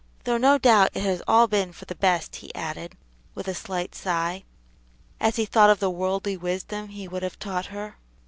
Though no doubt it has all been for the best," he added, with a slight sigh, as he thought of the worldly wisdom he would have taught her.